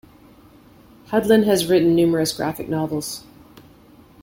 Hudlin has written numerous graphic novels.